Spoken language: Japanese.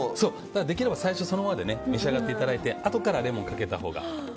できれば最初はそのままで召し上がっていただいてあとからレモンをかけたほうが。